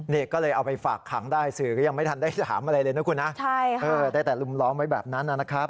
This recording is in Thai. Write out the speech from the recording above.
นี่ก็เลยเอาไปฝากขังได้สื่อก็ยังไม่ทันได้ถามอะไรเลยนะคุณนะได้แต่ลุมล้อมไว้แบบนั้นนะครับ